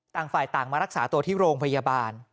ต่างฝ่ายต่างมารักษาตัวที่โรงพยาบาล